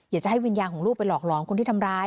อยากจะให้วิญญาณของลูกไปหลอกหลอนคนที่ทำร้าย